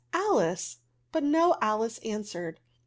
Alice!'* but no Alice answered.